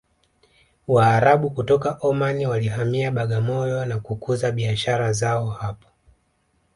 waarabu kutoka omani walihamia bagamoyo na kukuza biashara zao hapo